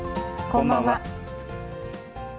こんばんは。